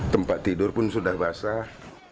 tempat tidur pun sudah basah